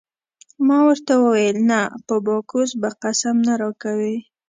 ما ورته وویل: نه په باکوس به قسم نه راکوې.